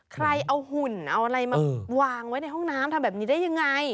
ใครเอาหุ่นเอาอะไรมาวางไว้ในห้องน้ำทำแบบนี้ได้ยังไง